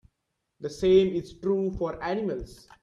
The same is true for animals.